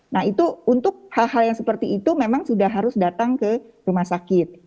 nah itu untuk hal hal yang seperti itu memang sudah harus datang ke rumah sakit